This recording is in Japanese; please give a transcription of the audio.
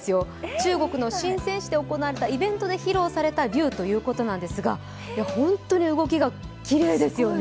中国の深セン市で行われたイベントのドローンなんですが本当に動きがきれいですよね。